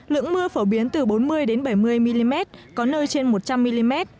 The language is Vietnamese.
lượng mưa phổ biến từ bốn mươi bảy mươi mm có nơi trên một trăm linh mm